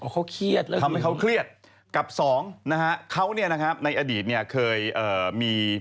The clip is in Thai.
อ๋อเขาเครียดทำให้เขาเครียดกับสองนะฮะเขาเนี่ยนะฮะในอดีตเนี่ยเคยมี